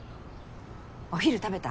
お昼食べた？